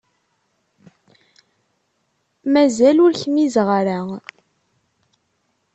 Mazal ur kmizeɣ ara.